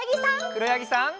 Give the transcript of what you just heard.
くろやぎさん。